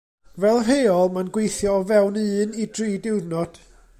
Fel rheol mae'n gweithio o fewn un i dri diwrnod.